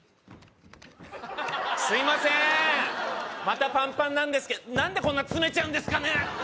またパンパンなんですけど何でこんな詰めちゃうんですかね